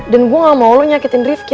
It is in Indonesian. dan gue gak mau lo nyakitin rifki